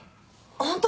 ホント？